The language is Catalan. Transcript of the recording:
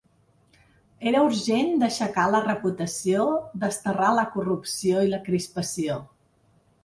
Era urgent d’aixecar la reputació, desterrar la corrupció i la crispació.